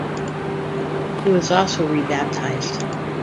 He was also rebaptised.